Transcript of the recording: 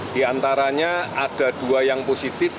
di antaranya ada dua yang positif